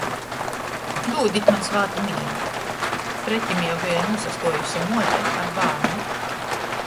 Dūdit maņ svātu mīru. Pretim jau beja nūsastuojuse muote ar bārnu.